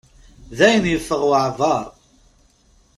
Dayen yeffeɣ waɛbar.